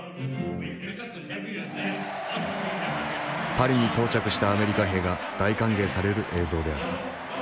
パリに到着したアメリカ兵が大歓迎される映像である。